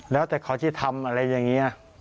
แล้วแต่เขาจะทำอะไรอย่างนี้